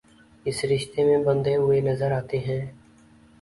اس رشتے میں بندھے ہوئے نظرآتے ہیں